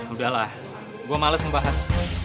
udahlah gue males ngebahas